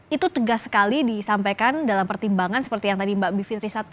itu tegas sekali disampaikan dalam pertimbangan seperti yang tadi mbak bivitri